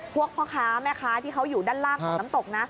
พ่อค้าแม่ค้าที่เขาอยู่ด้านล่างของน้ำตกนะ